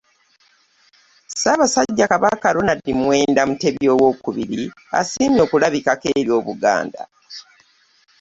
Ssaabasajja Kabaka Ronald Muwenda Mutebi owookubiri asiimye okulabikako eri Obuganda.